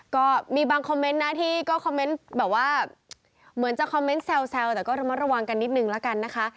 ก็มีบางคอมเมนต์นะที่ก็คอมเมนต์แบบว่าเหมือนจะคอมเมนต์แซวแต่ก็ระมัดระวังกันนิดนึงละกันนะคะ